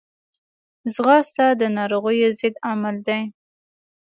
ځغاسته د ناروغیو ضد عمل دی